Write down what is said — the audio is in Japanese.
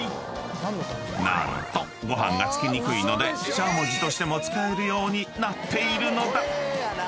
［何とご飯が付きにくいのでしゃもじとしても使えるようになっているのだ］